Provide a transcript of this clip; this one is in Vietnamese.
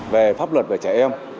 về pháp luật về trẻ em